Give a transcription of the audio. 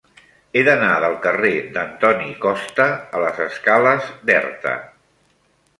He d'anar del carrer d'Antoni Costa a les escales d'Erta.